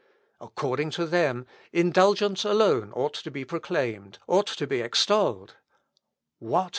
"According to them, indulgence alone ought to be proclaimed, ought to be extolled.... What!